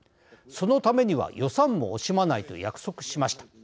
そのためには予算も惜しまないと約束しました。